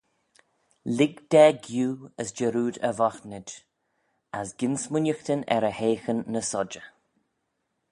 Lhig da giu as jarrood e voghtynid, as gyn smooinaghtyn er e heaghyn ny-sodjey.